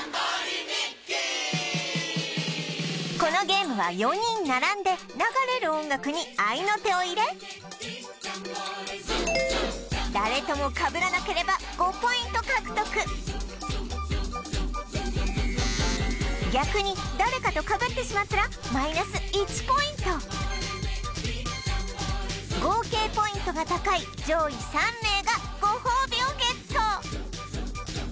このゲームは４人並んで流れる音楽に合いの手を入れ誰ともかぶらなければ５ポイント獲得逆に誰かとかぶってしまったらマイナス１ポイント合計ポイントが高い上位３名がご褒美をゲット